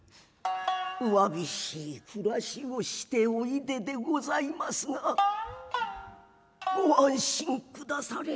詫びしい暮らしをしておいでで御座いますがご安心下され。